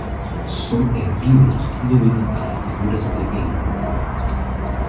Son herbívoros y habitan en las llanuras de Endor.